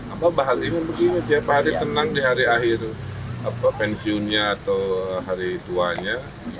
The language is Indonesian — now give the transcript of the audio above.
abah bahagianya begini tiap hari tenang di hari akhir pensiunnya atau hari tuanya